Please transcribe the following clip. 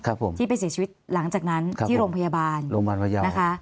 ครับผมที่ไปเสียชีวิตหลังจากนั้นครับที่โรงพยาบาลโรงพยาบาลพยาวนะคะ